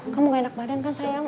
kamu gak enak badan kan sayang